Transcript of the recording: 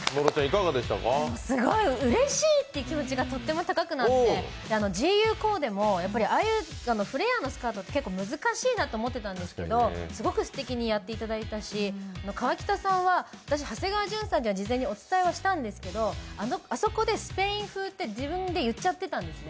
すごい、うれしいって気持ちがとっても高くなってＧＵコーデもああいうフレアのコーデって難しいと思ってたんですけどすごくすてきにやっていただいたし、河北さんは私、長谷川潤さんって事前にお伝えしてたんですけどあそこでスペイン風って自分で言っちゃってたんですね。